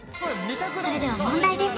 それでは問題です